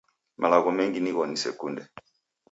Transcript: Malogho mengi nigho nisekunde